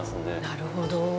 なるほど。